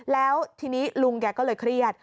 แล้วทีนี้ลุงแกก็เลยเครียด